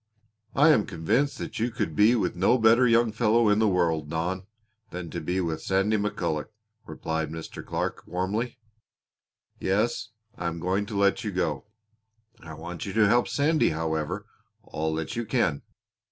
"I am convinced that you could be with no better young fellow in the world, Don, than to be with Sandy McCulloch," replied Mr. Clark warmly. "Yes, I am going to let you go. I want you to help Sandy, however, all that you can.